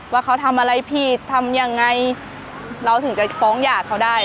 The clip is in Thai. ว่าเขาทำอะไรผิดทำยังไงเราถึงจะฟ้องหย่าเขาได้